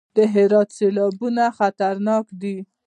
د هرات سیلابونه خطرناک دي